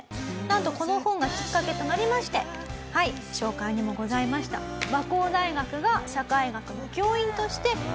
なんとこの本がきっかけとなりましてはい紹介にもございました和光大学が。